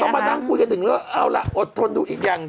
เราต้องมานั่งคุยกันถึงเอาละอดทนดูอีกอย่าง